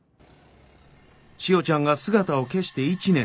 千代ちゃんが姿を消して１年。